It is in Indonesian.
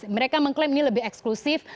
mereka mengklaim ini lebih eksklusif